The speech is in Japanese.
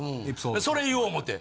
それ言おう思て。